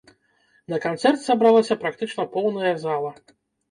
На канцэрт сабралася практычна поўная зала.